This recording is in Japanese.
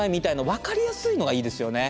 分かりやすいのがいいですよね。